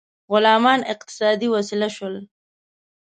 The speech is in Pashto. غلامان اقتصادي وسیله شول.